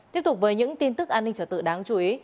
tiếp tục với những tin tức an ninh trở tự đáng chú ý